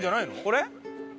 これ？